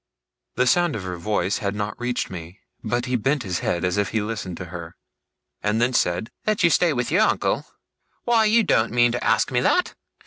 The sound of her voice had not reached me, but he bent his head as if he listened to her, and then said: 'Let you stay with your uncle? Why, you doen't mean to ask me that!